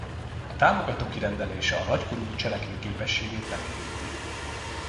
A támogató kirendelése a nagykorú cselekvőképességét nem érinti.